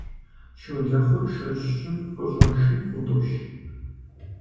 Щолэхъур шэщым къыщӀэши утӀыпщ.